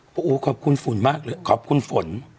บอกอู้ขอบคุณฝนมากเลยขอบคุณฝน